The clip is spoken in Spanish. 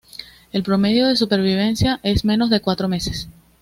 El promedio de supervivencia es menos de cuatro meses.